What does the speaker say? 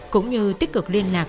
cũng như tích cực liên lạc